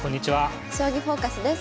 「将棋フォーカス」です。